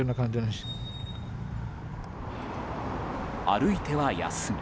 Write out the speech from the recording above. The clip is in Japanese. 歩いては休み。